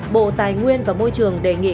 bộ tài nguyên và môi trường đề nghị